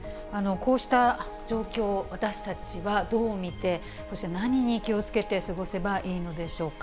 こうした状況、私たちはどう見て、そして何に気をつけて過ごせばいいのでしょうか。